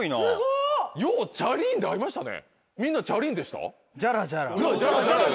ようチャリンで合いましたね。